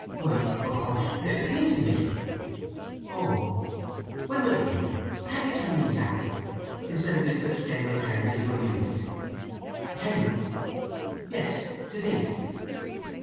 "Why, of course—little things to make." "Oh." "When will it be? Can't you tell me exactly, instead of in such general terms as you have used?" "Tell you?" "Yes—the date."